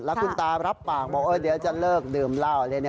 แล้วคุณตารับปากบอกเดี๋ยวจะเลิกดื่มเหล้าเลย